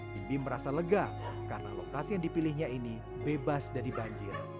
bibi merasa lega karena lokasi yang dipilihnya ini bebas dari banjir